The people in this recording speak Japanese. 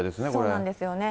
そうなんですよね。